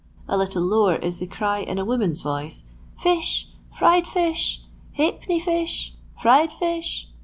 A little lower is the cry, in a woman's voice, " Fish, fried fish ! Ha'penny ; fish, fried fish